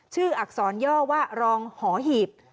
อักษรย่อว่ารองหอหีบ